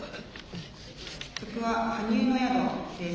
曲は「埴生の宿」です。